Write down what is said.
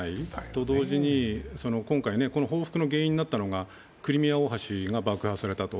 と同時に、今回この報復の原因になったのが、クリミア大橋が爆破されたと。